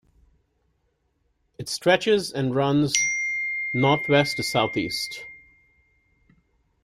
It stretches and runs northwest to southeast.